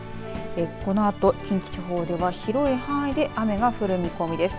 このあと、近畿地方は広い範囲で雨が降る見込みです。